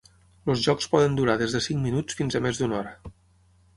Els jocs poden durar des de cinc minuts fins a més d'una hora.